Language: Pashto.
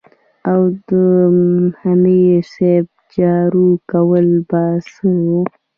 او د امیر صېب جارو کول به څۀ وو ـ